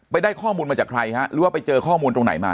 ได้ข้อมูลมาจากใครฮะหรือว่าไปเจอข้อมูลตรงไหนมา